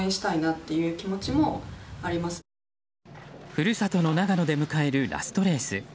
故郷の長野で迎えるラストレース。